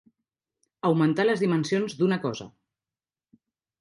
Augmentar les dimensions d'una cosa.